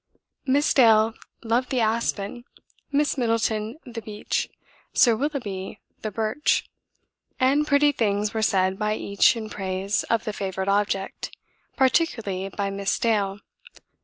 Miss Dale loved the aspen, Miss Middleton the beech, Sir Willoughby the birch, and pretty things were said by each in praise of the favoured object, particularly by Miss Dale.